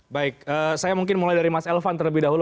baik saya mungkin mulai dari mas elvan terlebih dahulu